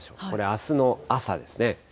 これ、あすの朝ですね。